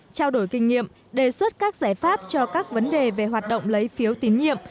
trao đổi kinh nghiệm đề xuất các giải pháp cho các vấn đề về hoạt động lấy phiếu tín nhiệm